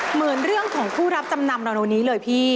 เหมือนเรื่องของผู้รับจำนำเรานี้เลยพี่